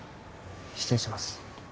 失礼します